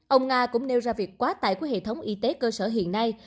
ông nga cũng nêu ra việc quá tải của hệ thống y tế cơ sở hiện nay